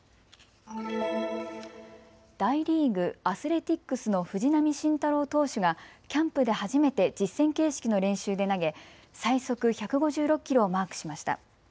大リーグ、アスレティックスの藤浪晋太郎投手がキャンプで初めて実戦形式の練習で投げ最速１５６キロをマークしました。